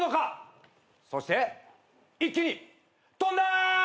そして一気に飛んだ！